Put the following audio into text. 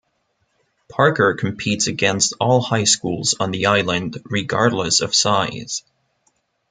Parker competes against all high schools on the island regardless of size.